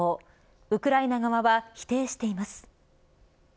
ウクライナ側は否定しています。